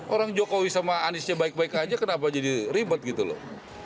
orang jokowi sama aniesnya baik baik aja kenapa jadi ribet gitu loh